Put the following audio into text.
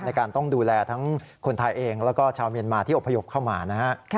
ในการต้องดูแลทั้งคนไทยเองแล้วก็ชาวเมียนมาที่อบพยพเข้ามานะฮะ